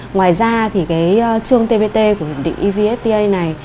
ngoài ra chương tbt của hiệp định evfta này